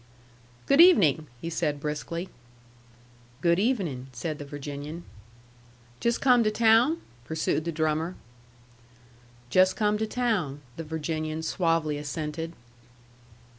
"Good evening," he said briskly. "Good evening," said the Virginian. "Just come to town?" pursued the drummer. "Just come to town," the Virginian suavely assented.